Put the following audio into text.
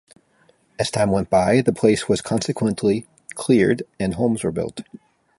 As time went by, the place was consequently cleared and homes were built.